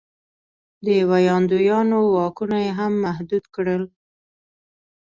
د ویاندویانو واکونه یې هم محدود کړل.